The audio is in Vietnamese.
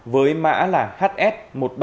với mã là hs